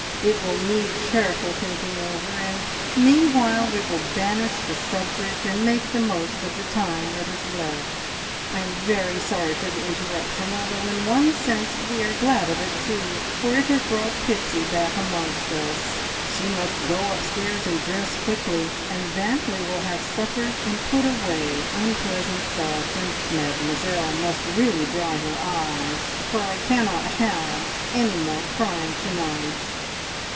It will need careful thinking over, and meanwhile we will banish the subject and make the most of the time that is left. I am very sorry for the interruption, although in one sense we are glad of it too, for it has brought Pixie back amongst us. She must go upstairs and dress quickly, and then we will have supper and put away unpleasant thoughts, and Mademoiselle must really dry her eyes, for I cannot have any more crying to night."